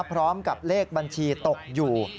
พร้อมกับเลขบัญชีตกอยู่